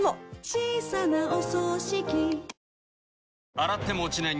洗っても落ちない